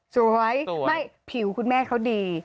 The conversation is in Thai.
สวยไม่ผิวคุณแม่เขาดี